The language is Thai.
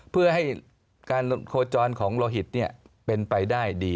เพื่อให้การโคจรของโลหิตเป็นไปได้ดี